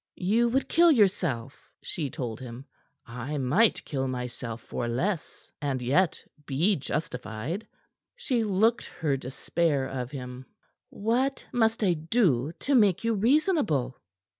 "You would kill yourself," she told him. "I might kill myself for less, and yet be justified." She looked her despair of him. "What must I do to make you reasonable?"